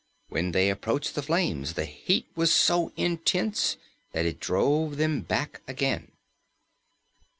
When they approached the flames, the heat was so intense that it drove them back again.